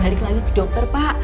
balik lagi ke dokter pak